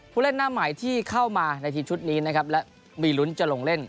ผู้เล่นหน้าใหม่ที่เข้ามาในทีมชุดนี้นะครับและมีลุ้นจะลงเล่น